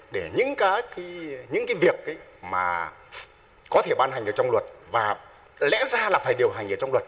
để những cái những cái việc ấy mà có thể ban hành ở trong luật và lẽ ra là phải điều hành ở trong luật